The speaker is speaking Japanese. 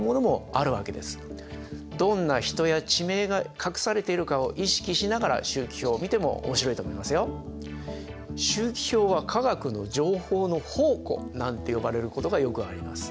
どんな人や地名が隠されているかを意識しながら周期表を見ても面白いと思いますよ。なんて呼ばれることがよくあります。